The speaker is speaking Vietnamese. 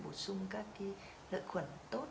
bổ sung các lợi khuẩn tốt